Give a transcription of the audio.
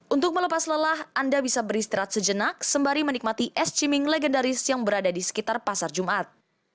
untuk melepas lelah anda bisa beristirahat sejenak sembari menikmati es ciming legendaris yang berada di sekitar pasar jumat